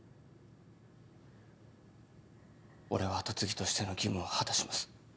俺は跡継ぎとしての義務を果たします。